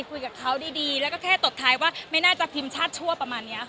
คุยกับเขาดีแล้วก็แค่ตบท้ายว่าไม่น่าจะพิมพ์ชาติชั่วประมาณนี้ค่ะ